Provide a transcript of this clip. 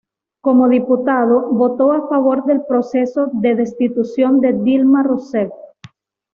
Como diputado, votó a favor del proceso de Destitución de Dilma Rousseff.